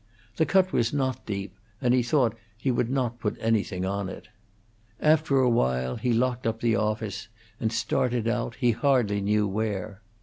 The cut was not deep, and he thought he would not put anything on it. After a while he locked up the office and started out, he hardly knew where.